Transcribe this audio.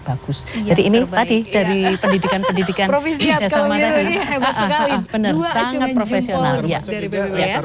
bagus jadi ini tadi dari pendidikan pendidikan profesi atau menurutnya ini hebat sekali bener bener